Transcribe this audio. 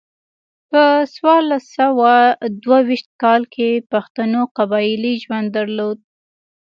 په څوارلس سوه دوه ویشت کال کې پښتنو قبایلي ژوند درلود.